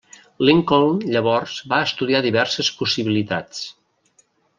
Lincoln llavors va estudiar diverses possibilitats.